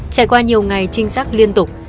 trải qua nhiều ngày trinh sát liên tục